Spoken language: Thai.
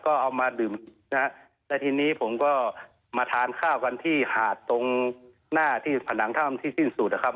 ก็เอามาดื่มนะฮะแล้วทีนี้ผมก็มาทานข้าวกันที่หาดตรงหน้าที่ผนังถ้ำที่สิ้นสุดนะครับ